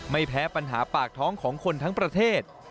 ไม่แพ้ปัญหาปากท้องของคนทั้งประเทศ